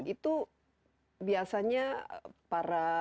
itu biasanya para